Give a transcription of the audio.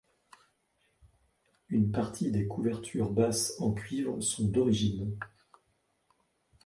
Une partie des couvertures basses en cuivre sont d'origine.